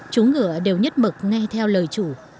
chú ngựa đều nhất mực nghe theo lời chủ